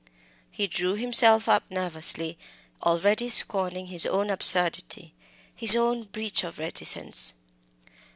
He drew himself up nervously, already scorning his own absurdity, his own breach of reticence.